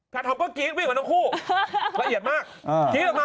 แฟนทอมก็กรี๊ดวิ่งกับทั้งคู่ละเอียดมาก